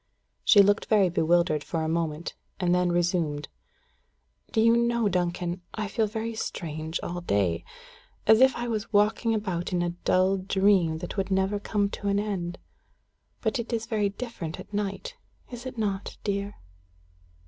She looked very bewildered for a moment, and then resumed: "Do you know, Duncan, I feel very strange all day as if I was walking about in a dull dream that would never come to an end? But it is very different at night is it not, dear?"